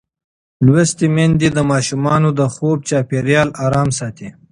لوستې میندې د ماشومانو د خوب چاپېریال آرام ساتي.